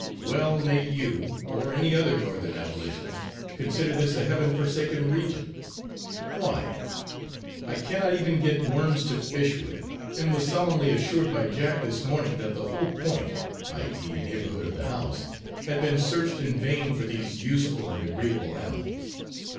Well may you, or any other Northern Abolitionist, consider this a heaven forsaken region, why? I cannot even get worms to fish with, and was solemnly assured by Jack this morning that the whole 'point,' i.e. neighbourhood of the house, had been searched in vain for these useful and agreeable animals.